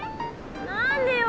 何でよ。